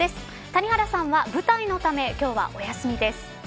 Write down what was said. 谷原さんは舞台のため今日はお休みです。